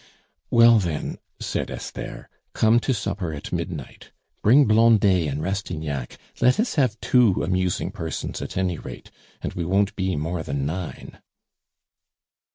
"Well, then," said Esther, "come to supper at midnight. Bring Blondet and Rastignac; let us have two amusing persons at any rate; and we won't be more than nine."